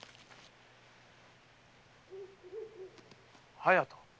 隼人？